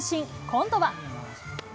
今度は。